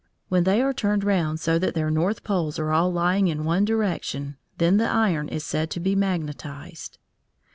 When they are turned round so that their north poles are all lying in one direction, then the iron is said to be magnetised.